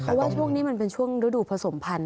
เพราะว่าช่วงนี้มันเป็นช่วงฤดูผสมพันธ